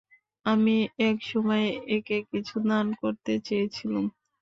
আমি এক সময়ে একে কিছু দান করতে চেয়েছিলুম।